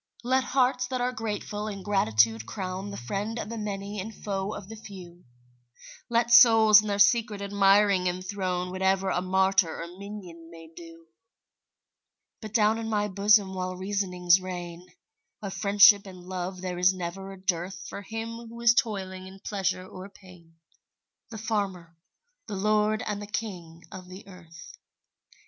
Let hearts that are grateful in gratitude crown The friend of the many and foe of the few; Let souls in their secret admiring enthrone Whatever a martyr or minion may do; But down in my bosom while reasonings reign, Of friendship and love there is never a dearth For him who is toiling in pleasure or pain, The farmer, the lord and the king of the earth.